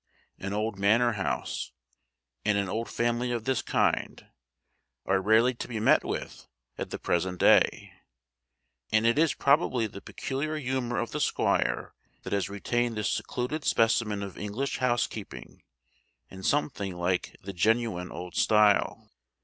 An old manor house, and an old family of this kind, are rarely to be met with at the present day; and it is probably the peculiar humour of the squire that has retained this secluded specimen of English housekeeping in something like the genuine old style.